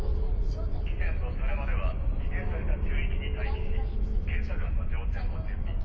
貴船はそれまでは指定された宙域に待機し検査官の乗船を準備。